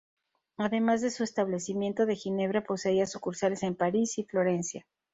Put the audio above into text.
Además de su establecimiento de Ginebra, poseía sucursales en París y Florencia.